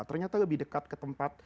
ternyata lebih dekat ke tempat